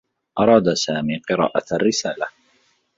أراد سامي قراءة الرّسالة.